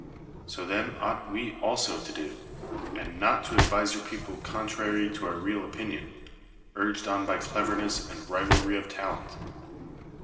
So then ought ire also to do, and not to advise your jxHjple conlraiy to our i eal opinion, urged on 1)y cleverricss and rivalry of talent.